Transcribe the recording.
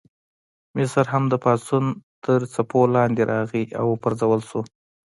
مصر هم د پاڅون تر څپو لاندې راغی او وپرځول شو.